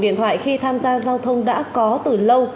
điện thoại khi tham gia giao thông đã có từ lâu